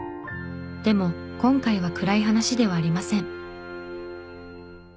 でも今回は暗い話ではありません。